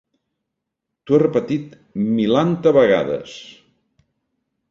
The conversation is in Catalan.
T'ho he repetit milanta vegades!